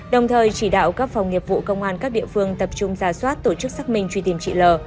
đồng thời chỉ đạo các phòng nghiệp vụ công an các địa phương tập trung ra soát tổ chức xác minh truy tìm chị l